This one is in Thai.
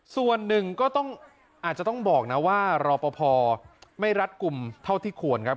ส่วนหนึ่งก็ต้องอาจจะต้องบอกนะว่ารอปภไม่รัดกลุ่มเท่าที่ควรครับ